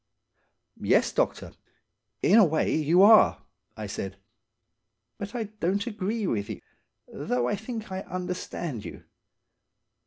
"Yes, doctor, in a way, you are," I said. "But I don't agree with you, though I think I understand you.